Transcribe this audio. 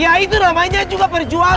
ya itu ramainya juga perjuangan